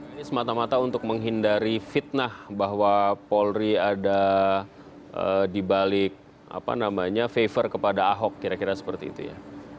ini semata mata untuk menghindari fitnah bahwa polri ada di balik favor kepada ahok kira kira seperti itu ya